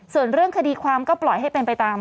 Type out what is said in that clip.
ส่วนเรื่องคดีความก็ปล่อยให้เป็นไปตาม